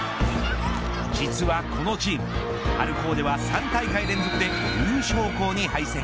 実はこのチーム春高では３大会連続で優勝校に敗戦。